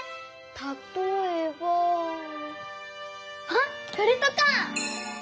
たとえばあっこれとか！